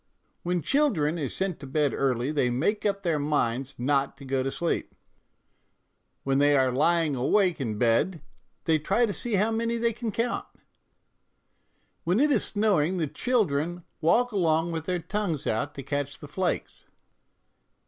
" When children are sent to bed early they make up their minds not to go to sleep ; when they are lying awake in bed they try to see how many they can count/' " When it is snowing the children walk along with their tongues out to catch the flakes."